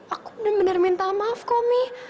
aku udah bener bener minta maaf kok mi